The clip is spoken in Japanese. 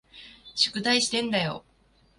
宿題してんだよ。